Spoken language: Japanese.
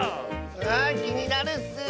あきになるッス。